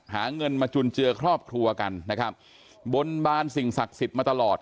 หาเงินมาจุนเจือครอบครัวกันนะครับบนบานสิ่งศักดิ์สิทธิ์มาตลอด